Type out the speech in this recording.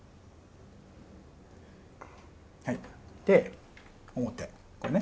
はいで表これね。